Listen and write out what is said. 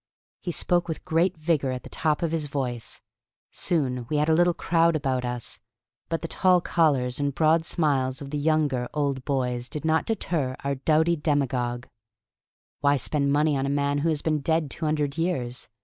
He spoke with great vigor at the top of his voice; soon we had a little crowd about us; but the tall collars and the broad smiles of the younger Old Boys did not deter our dowdy demagogue. Why spend money on a man who had been dead two hundred years?